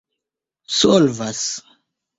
solvas